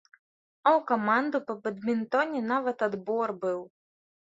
А ў каманду па бадмінтоне нават адбор быў!